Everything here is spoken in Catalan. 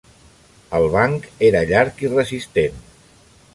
El banc era llarg i resistent.